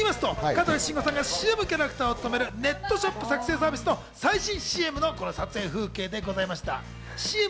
香取慎吾さんがＣＭキャラクターを務めるネットショップ作成サービスの最新ＣＭの撮影風景でございました。